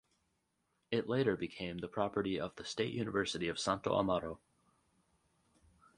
It later became the property of the State University of Santo Amaro.